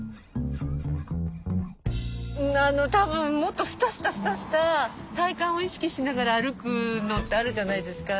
たぶんもっとスタスタスタスタ体幹を意識しながら歩くのってあるじゃないですか。